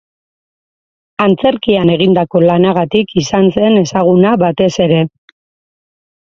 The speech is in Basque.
Antzerkian egindako lanagatik izan zen ezaguna batez ere.